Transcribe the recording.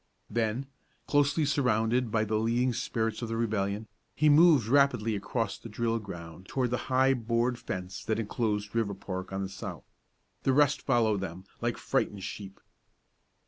Then, closely surrounded by the leading spirits of rebellion, he moved rapidly across the drill ground toward the high board fence that enclosed Riverpark on the south. The rest followed them like frightened sheep.